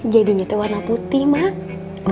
jadinya itu warna putih mak